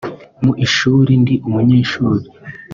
mu ishuli ndi umunyeshuri